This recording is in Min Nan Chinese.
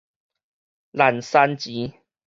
零星錢